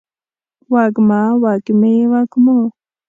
وږمه، وږمې ، وږمو